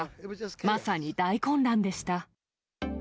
まさに大混乱でした。